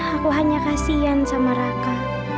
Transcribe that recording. aku hanya kasihan sama raka